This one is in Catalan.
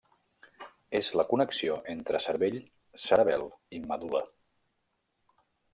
És la connexió entre cervell, cerebel i medul·la.